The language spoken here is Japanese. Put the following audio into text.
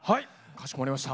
かしこまりました。